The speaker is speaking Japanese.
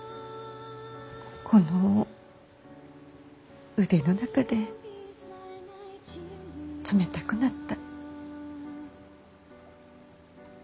この腕の中で冷たくなった。